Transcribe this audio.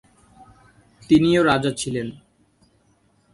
তিনিও রাজা ছিলেন।